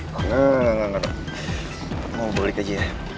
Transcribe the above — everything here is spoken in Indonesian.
enggak enggak enggak mau balik aja ya